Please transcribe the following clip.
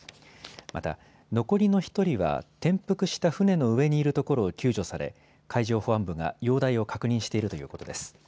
また残りの１人は転覆した船の上にいるところを救助され、海上保安部が容体を確認しているということです。